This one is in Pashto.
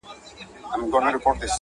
په تندې مو هر څوک خپله ناره لیکي